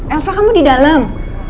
elsa kamu di dalam